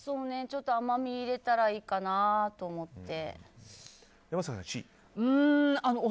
ちょっと甘みを入れたらいいかなと思って。